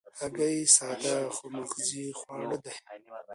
هګۍ ساده خو مغذي خواړه دي.